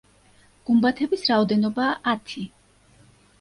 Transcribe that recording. გუმბათების რაოდენობაა ათი.